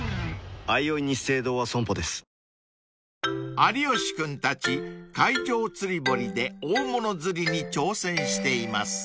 ［有吉君たち海上釣り堀で大物釣りに挑戦しています］